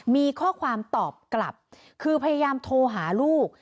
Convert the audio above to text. มีข้อความตอบกลับคือพยายามโทรหาลูก